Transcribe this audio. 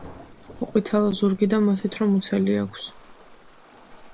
მოყვითალო ზურგი და მოთეთრო მუცელი აქვს.